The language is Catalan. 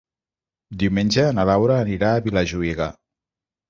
Diumenge na Laura anirà a Vilajuïga.